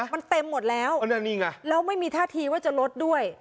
มันเต็มหมดแล้วนี่ไงแล้วไม่มีท่าทีว่าจะลดด้วย